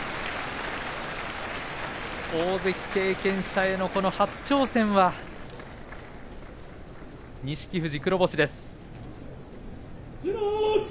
大関経験者への初挑戦は錦富士、黒星です。